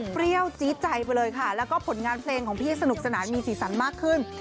เปรี้ยวจี๊ดใจไปเลยค่ะแล้วก็ผลงานเพลงของพี่สนุกสนานมีสีสันมากขึ้น